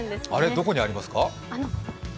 どこにありますか。